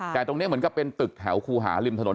แต่ตรงนี้เหมือนกับเป็นตึกแถวคูหาริมถนน